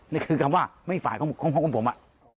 นี่คือการว่าไม่ฝาดของของของผมอ่ะ